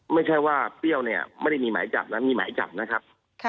ไม่ใช่ว่าเปรี้ยวเนี่ยไม่ได้มีหมายจับนะมีหมายจับนะครับ